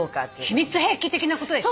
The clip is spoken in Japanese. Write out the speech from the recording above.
秘密兵器的なことでしょ？